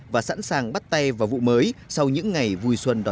và sẵn sàng bắt tay vào vụ mới sau những ngày vui sống